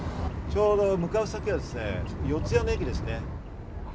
ちょうど向かう先がですね、四ツ谷の駅ですね。